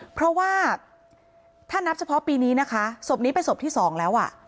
เพราะว่าถ้านับเฉพาะปีนี้นะคะศพนี้เป็นศพที่สองแล้วอ่ะ